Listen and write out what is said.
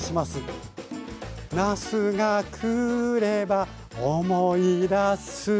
「なすが来れば思い出す」